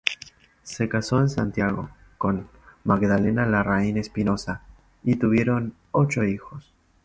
Se casó en Santiago, con "Magdalena Larraín Espinosa" y tuvieron ocho hijos.